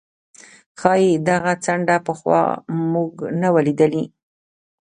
ښايي دغه څنډه پخوا موږ نه وه لیدلې.